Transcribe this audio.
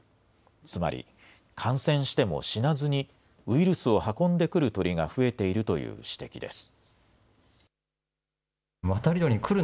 つまり、感染しても死なずに、ウイルスを運んでくる鳥が増えているという指摘です。